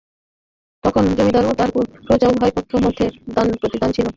তখন জমিদার এবং প্রজা উভয় পক্ষের মধ্যেই দানপ্রতিদান ছিল।